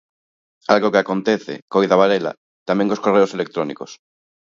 Algo que acontece, coida Varela, tamén cos correos electrónicos.